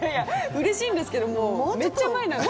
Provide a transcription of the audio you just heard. うれしいんですけどもうめっちゃ前なんですよ。